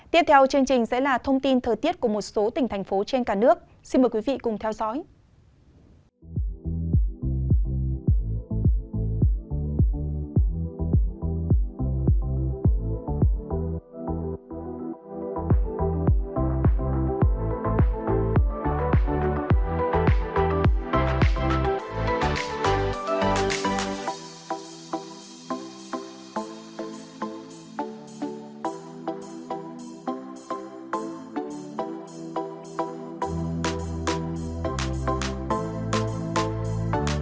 tiếp theo chương trình sẽ là thông tin thời tiết của một số tỉnh thành phố trên cả nước xin mời quý vị cùng theo dõi